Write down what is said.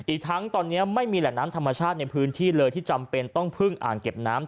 อีกทั้งตอนนี้ไม่มีแหล่งน้ำธรรมชาติในพื้นที่เลยที่จำเป็นต้องพึ่งอ่างเก็บน้ำ